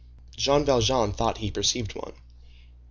Jean Valjean thought he perceived one.